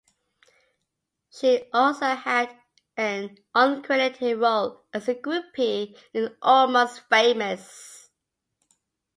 She also had an uncredited role as a groupie in "Almost Famous".